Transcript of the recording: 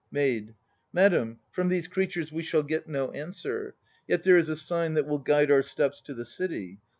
MAID. Madam, from these creatures we shall get no answer. Yet there is a sign that will guide our steps to the City.